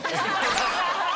ハハハハ！